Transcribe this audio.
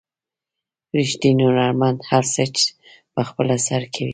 ریښتینی هنرمند هر څه په خپل سر کوي.